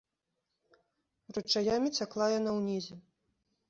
Ручаямі цякла яна ўнізе.